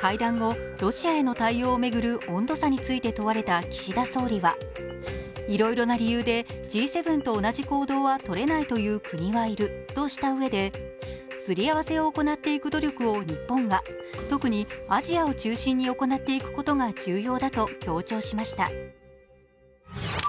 会談後、ロシアへの対応を巡る温度差について問われた岸田総理はいろいろな理由でＧ７と同じ行動はとれないという国がいるとしたうえですり合わせを行っていく努力を日本が、特にアジアを中心に行っていくことが重要だと強調しました。